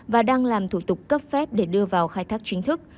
và đang làm thủ tục cấp phép để đưa vào khai thác chính thức